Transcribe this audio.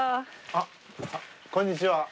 あっこんにちは。